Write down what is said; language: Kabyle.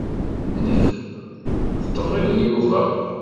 Nekk d ṭṭbib n Yuba.